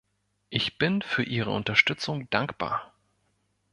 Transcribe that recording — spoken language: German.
Ich bin für ihre Unterstützung dankbar.